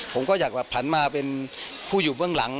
ผมก็อยากผันมาเป็นผู้อยู่เบื้องหลัง